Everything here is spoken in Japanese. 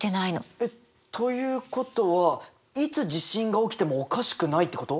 えっ！ということはいつ地震が起きてもおかしくないってこと？